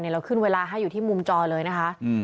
เราขึ้นเวลาให้อยู่ที่มุมจอเลยนะคะ